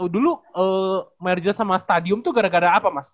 dulu merger sama stadium tuh gara gara apa mas